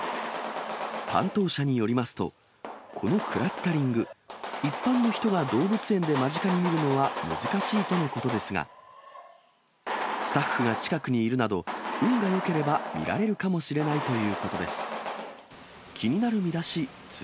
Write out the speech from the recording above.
担当者によりますと、このクラッタリング、一般の人が動物園で間近に見るのは難しいとのことですが、スタッフが近くにいるなど、運がよければ見られるかもしれないということです。